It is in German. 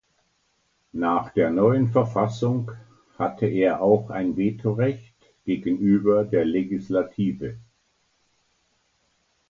Nach der neuen Verfassung hatte er auch ein Vetorecht gegenüber der Legislative.